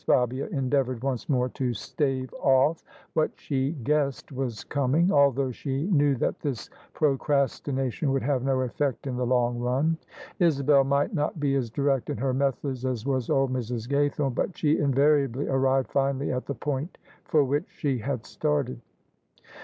Fabia endeavoured once more to stave off what she guessed was coming, although she knew that this procrastination would have no effect in the long run. Isabel might not be as direct in her methods as was old Mrs. Gaythome; but she invariably arrived finally at the point for which she had started.